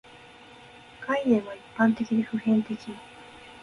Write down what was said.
概念は一般的で普遍的